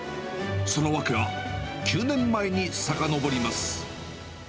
その訳は、９年前にさかのぼります。